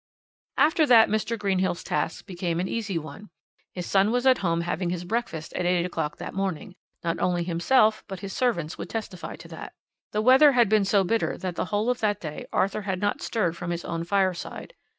"After that Mr. Greenhill's task became an easy one; his son was at home having his breakfast at 8 o'clock that morning not only himself, but his servants would testify to that. "The weather had been so bitter that the whole of that day Arthur had not stirred from his own fireside.